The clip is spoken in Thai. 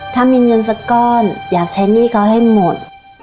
ถ้ามีเงินสักก้อนอยากใช้หนี้เขาให้หมด